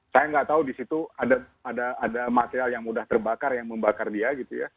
saya nggak tahu di situ ada material yang mudah terbakar yang membakar dia gitu ya